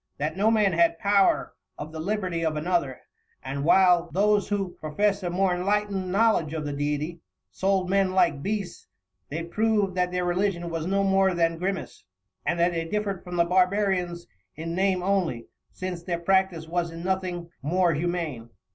That no Man had Power of the Liberty of another; and while those who profess a more enlightened Knowledge of the Deity, sold Men like Beasts; they prov'd that their Religion was no more than Grimace, and that they differ'd from the Barbarians in Name only, since their Practice was in nothing more humane.